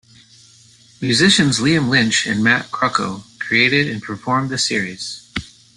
Musicians Liam Lynch and Matt Crocco created and performed the series.